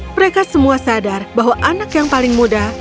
mereka semua sadar bahwa anak yang paling muda